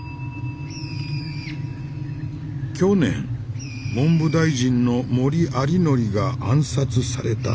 「去年文部大臣の森有礼が暗殺された。